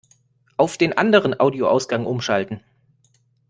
Auf den anderen Audioausgang umschalten!